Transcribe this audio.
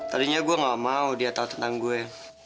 tadinya gue gak mau dia tahu tentang gue